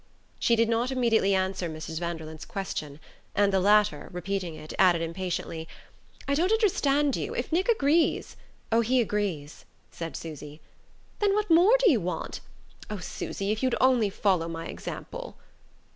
She did not immediately answer Mrs. Vanderlyn's question; and the latter, repeating it, added impatiently: "I don't understand you; if Nick agrees " "Oh, he agrees," said Susy. "Then what more do you want! Oh, Susy, if you'd only follow my example!"